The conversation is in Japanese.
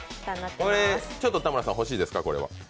これちょっと田村さん、欲しいですか？